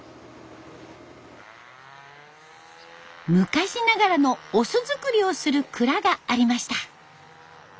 昔ながらのお酢造りをする蔵がありました。